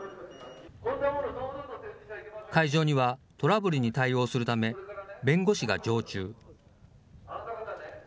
会場にはトラブルに対応するため、弁護士が常駐。